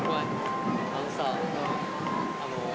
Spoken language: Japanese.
あのさ。